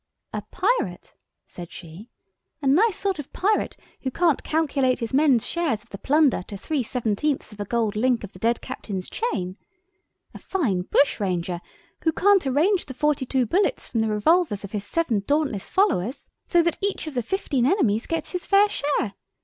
"A Pirate," said she, "a nice sort of pirate who can't calculate his men's share of the plunder to three seventeenths of a gold link of the dead captain's chain! A fine bushranger who can't arrange the forty two bullets from the revolvers of his seven dauntless followers so that each of the fifteen enemies gets his fair share!